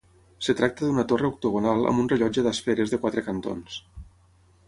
Es tracta d'una torre octogonal amb un rellotge d'esferes de quatre cantons.